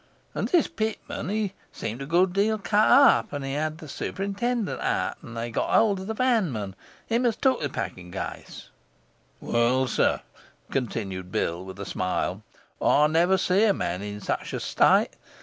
And this Pitman he seemed a good deal cut up, and he had the superintendent out, and they got hold of the vanman him as took the packing case. Well, sir,' continued Bill, with a smile, 'I never see a man in such a state.